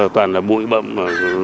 toàn là bụi bậm